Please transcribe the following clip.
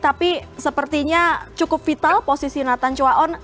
tapi sepertinya cukup vital posisi nathan chua on